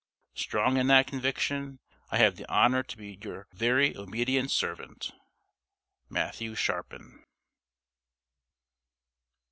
Strong in that conviction, I have the honor to be your very obedient servant, MATTHEW SHARPIN.